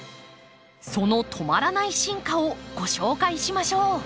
その止まらない進化をご紹介しましょう。